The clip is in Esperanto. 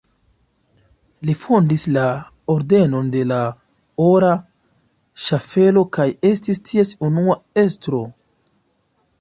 Li fondis la Ordenon de la Ora Ŝaffelo kaj estis ties unua estro.